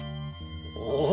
おお！